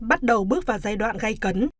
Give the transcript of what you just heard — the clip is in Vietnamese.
bắt đầu bước vào giai đoạn gây cấn